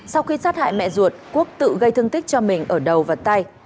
sau khi sát hại mẹ ruột quốc tự gây thương tích cho mình ở đầu và tay